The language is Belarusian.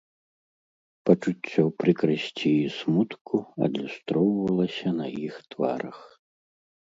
Пачуццё прыкрасці і смутку адлюстроўвалася на іх тварах.